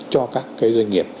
cho các cái doanh nghiệp